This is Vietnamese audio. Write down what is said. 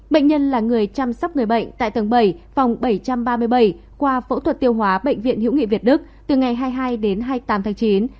bệnh nhân là người chăm sóc người bệnh tại tầng bảy phòng bảy trăm ba mươi bảy qua phẫu thuật tiêu hóa bệnh viện hữu nghị việt đức từ ngày hai mươi hai đến hai mươi tám tháng chín